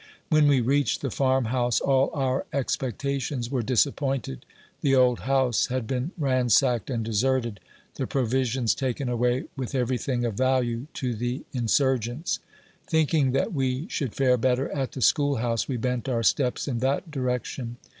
When we reached the farm house, all our expectations were disappoint ed. The old house had been ransacked and deserted, the pro visions taken away, with every thing of value to the insur gents. Thinking that we should fare better at the school house, we bent our steps in that direction.